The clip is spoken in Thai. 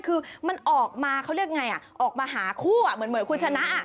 คือมันออกมาเขาเรียกไงอ่ะออกมาหาคู่อ่ะเหมือนเหมือนคุณชนะอ่ะ